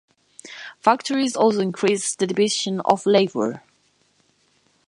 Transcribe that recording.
Factories also increased the division of labour.